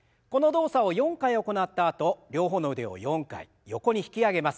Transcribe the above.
この動作を４回行ったあと両方の腕を４回横に引き上げます。